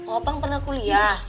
abang pernah kuliah